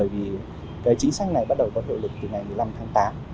và chính sách này bắt đầu có hiệu lực từ ngày một mươi năm tháng tám